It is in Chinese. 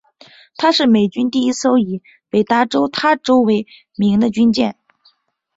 她是美军第一艘以北达科他州为名的军舰。